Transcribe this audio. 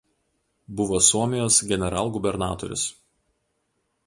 Buvo Suomijos generalgubernatorius.